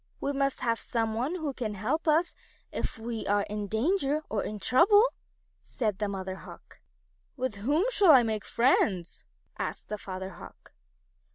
We must have some one who can help us if ever we are in danger, or in trouble," said the Mother Hawk. "With whom shall I make friends?" asked the Father Hawk.